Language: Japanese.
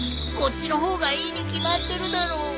こっちの方がいいに決まってるだろ